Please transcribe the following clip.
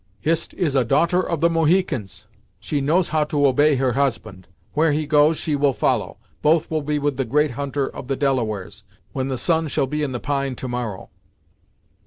"Hist is a daughter of the Mohicans. She knows how to obey her husband. Where he goes, she will follow. Both will be with the Great Hunter of the Delawares, when the sun shall be in the pine to morrow."